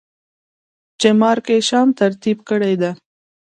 چې Mark Isham ترتيب کړې ده.